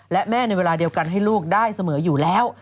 และแม่ในเวลาเดียวกันให้ลูกได้เสมออยู่แล้ว